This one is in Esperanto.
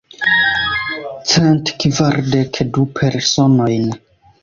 Cent kvardek du personojn.